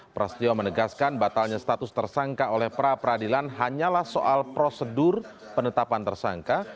prasetyo menegaskan batalnya status tersangka oleh pra peradilan hanyalah soal prosedur penetapan tersangka